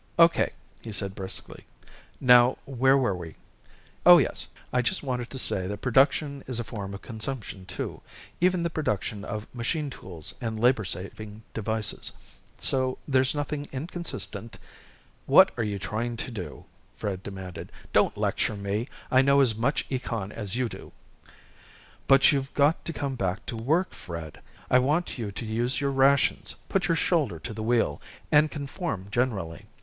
"O.K.," he said briskly. "Now, where were we? Oh, yes. I just wanted to say that production is a form of consumption, too even the production of machine tools and labor saving devices. So there's nothing inconsistent " "What are you trying to do?" Fred demanded. "Don't lecture me I know as much econ as you do!" "But you've got to come back to work, Fred! I want you to use your rations, put your shoulder to the wheel, and conform generally.